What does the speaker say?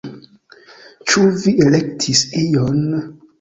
Ĉu vi elektis ion?